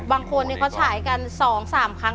บางคนเขาฉายกัน๒๓ครั้ง